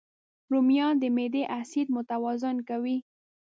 رومیان د معدې اسید متوازن کوي